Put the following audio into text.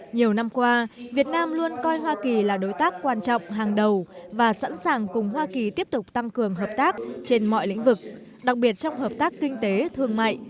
nhiều năm qua việt nam luôn coi hoa kỳ là đối tác quan trọng hàng đầu và sẵn sàng cùng hoa kỳ tiếp tục tăng cường hợp tác trên mọi lĩnh vực đặc biệt trong hợp tác kinh tế thương mại